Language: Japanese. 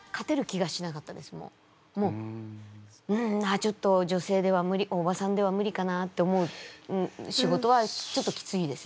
あちょっとじょせいでは無理おばさんでは無理かなと思う仕事はちょっときついです。